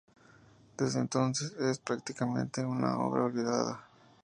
Desde entonces es, prácticamente, una obra olvidada.